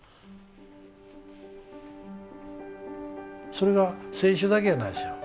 それが選手だけやないですよ。